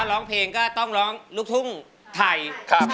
อายุ๒๔ปีวันนี้บุ๋มนะคะ